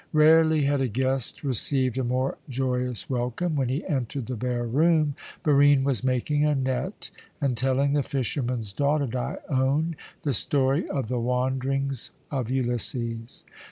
Rarely had a guest received a more joyous welcome. When he entered the bare room, Barine was making a net and telling the fisherman's daughter Dione the story of the wanderings of Ulysses.